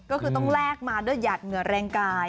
ก็คือต้องแลกมาด้วยหยัดเหงื่อแรงกาย